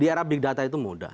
di arab big data itu mudah